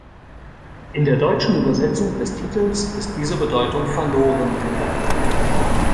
In der deutschen Übersetzung des Titels ist diese Bedeutung verloren gegangen.